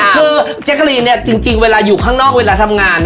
คือเจ๊กกะลีนจริงเวลาอยู่ข้างนอกเวลาทำงาน